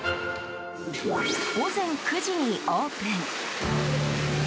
午前９時にオープン。